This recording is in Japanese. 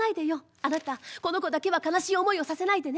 あなたこの子だけは悲しい思いをさせないでね。